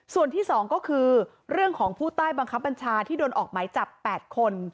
ส่วนที่๒ก็คือเรื่องของผู้ใต้บังคับบัญชาที่โดนออกหมายจับ๘คน